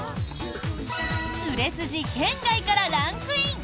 売れ筋圏外からランクイン。